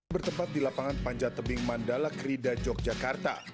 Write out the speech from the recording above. bertempat di lapangan panjat tebing mandala krida yogyakarta